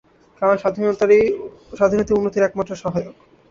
কারণ স্বাধীনতাই উন্নতির একমাত্র সহায়ক।